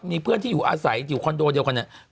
มีเพื่อนที่อยู่อาศัยอยู่คอนโดเดียวกันเนี่ย